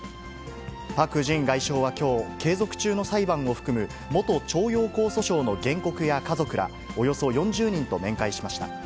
パク・ジン外相はきょう、継続中の裁判を含む元徴用工訴訟の原告や家族ら、およそ４０人と面会しました。